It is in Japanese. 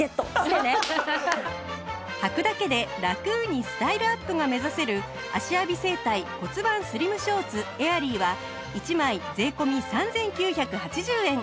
はくだけでラクにスタイルアップが目指せる芦屋美整体骨盤スリムショーツエアリーは１枚税込３９８０円